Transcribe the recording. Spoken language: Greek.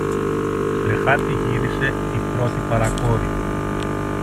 Τρεχάτη γύρισε η πρώτη παρακόρη.